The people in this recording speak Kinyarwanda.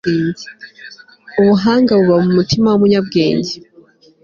ubuhanga buba mu mutima w'umunyabwenge